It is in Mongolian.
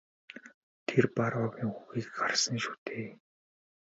Та Барруагийн үхэхийг харсан шүү дээ?